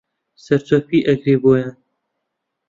سەرچۆپی ئەگرێ بۆیان